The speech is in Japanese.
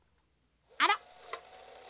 あら？